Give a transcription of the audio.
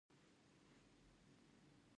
کاناډا د بایسکل جوړولو صنعت لري.